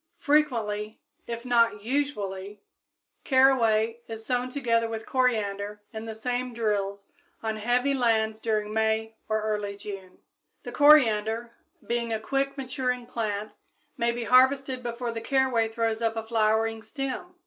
_ Frequently, if not usually, caraway is sown together with coriander in the same drills on heavy lands during May or early June. The coriander, being a quick maturing plant, may be harvested before the caraway throws up a flowering stem.